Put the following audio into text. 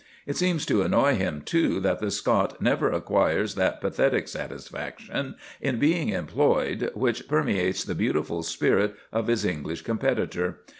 It seems to annoy him, too, that the Scot never acquires that pathetic satisfaction in being employed which permeates the beautiful spirit of his English competitor.